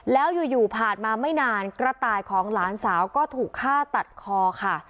แล้วอยู่ผ่านมาไม่นานกระต่ายของหลานสาวก็ถูกฆ่าตัดคอค่ะ